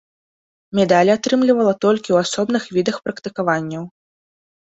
Медалі атрымлівала толькі ў асобных відах практыкаванняў.